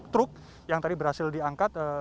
truk yang tadi berhasil diangkat